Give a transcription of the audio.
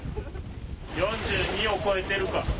４２を超えてるか？